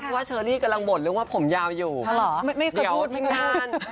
เพราะว่าเชอรี่กำลังบ่นเรื่องว่าผมยาวอยู่ไม่เคยพูดไม่นาน